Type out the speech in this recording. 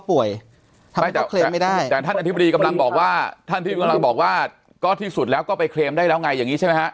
ส่วนเรื่องที่ว่าโบยสัตว์ประกันเลยสิทธิ์เพราะเรื่องอะไรเนี่ย